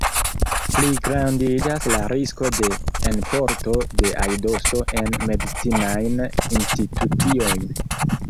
Pligrandiĝas la risko de enporto de aidoso en medicinajn instituciojn.